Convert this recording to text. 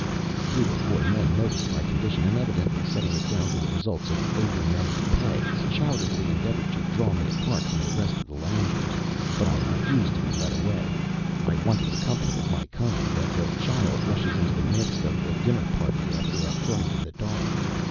Three or four men noticed my condition; and, evidently setting it down to the results of over many pegs, charitably endeavoured to draw me apart from the rest of the loungers. But I refused to be led away. I wanted the company of my kind as a child rushes into the midst of the dinner party after a fright in the dark.